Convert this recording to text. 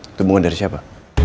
itu bunga dari siapa